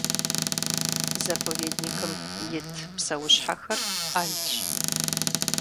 Заповедникым ит псэущхьэхэр Ӏэлщ.